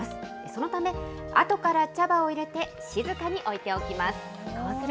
そのため、あとから茶葉を入れて、静かに置いておきます。